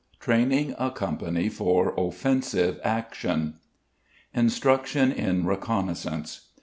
TRAINING A COMPANY FOR OFFENSIVE ACTION. _Instruction in Reconnaissance.